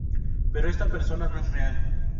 Pero esta persona no es real.